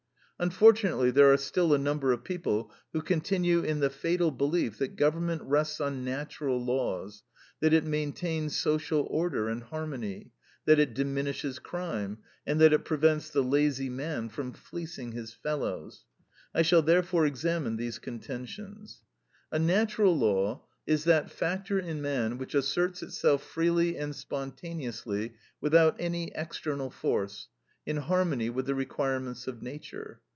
Unfortunately there are still a number of people who continue in the fatal belief that government rests on natural laws, that it maintains social order and harmony, that it diminishes crime, and that it prevents the lazy man from fleecing his fellows. I shall therefore examine these contentions. A natural law is that factor in man which asserts itself freely and spontaneously without any external force, in harmony with the requirements of nature.